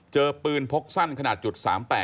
เจอปืนพกสั้นขนาด๓๘